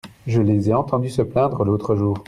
Je les ai entendu se plaindre l'autre jour.